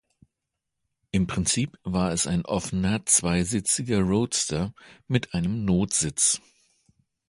Im Prinzip war es ein offener zweisitziger Roadster mit einem Notsitz.